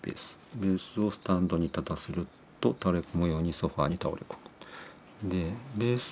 「ベースをスタンドに立たせると倒れ込むようにソファに倒れ込む」。